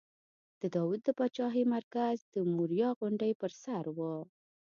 د داود د پاچاهۍ مرکز د موریا غونډۍ پر سر و.